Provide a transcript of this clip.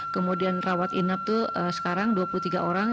kemudian rawat inap itu sekarang dua puluh tiga orang